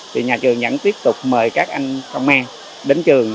thì nhà trường vẫn tiếp tục mời các anh công an đến trường